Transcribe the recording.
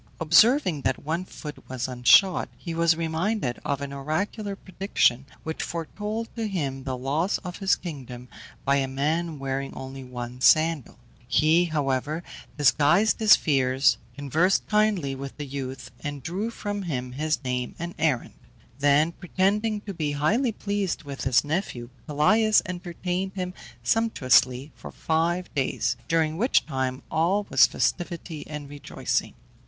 Observing that one foot was unshod, he was reminded of an oracular prediction which foretold to him the loss of his kingdom by a man wearing only one sandal. He, however, disguised his fears, conversed kindly with the youth, and drew from him his name and errand. Then pretending to be highly pleased with his nephew, Pelias entertained him sumptuously for five days, during which time all was festivity and rejoicing.